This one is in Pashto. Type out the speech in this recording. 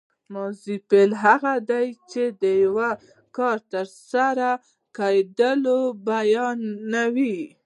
ماضي فعل هغه دی چې د یو کار تر سره کېدل بیانوي.